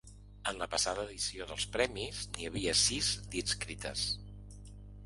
En la passada edició dels premis n’hi havia sis d’inscrites.